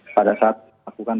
pada saat aku kan perlukan